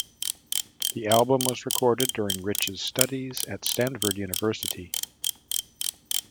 The album was recorded during Rich's studies at Stanford University.